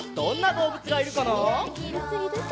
どうぶついるかな？